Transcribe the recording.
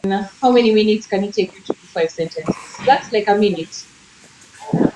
ambayo tafsiri yake halisi ni vikabila